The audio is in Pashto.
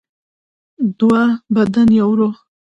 دوه بدن یو روح.